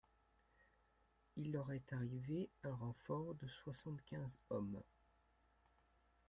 Il leur est arrivé un renfort de soixante-quinze hommes.